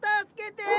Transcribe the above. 助けて。